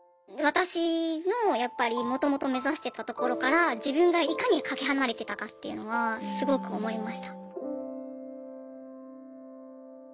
私のやっぱりもともと目指してたところから自分がいかにかけ離れてたかっていうのはすごく思いました。